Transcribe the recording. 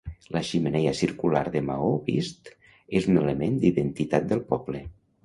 La xemeneia circular de maó vist és un element d'identitat del poble.